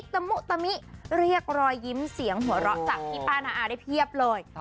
ตะมุตะมิเรียกรอยยิ้มเสียงหัวเราะจากพี่ป้านาอาได้เพียบเลย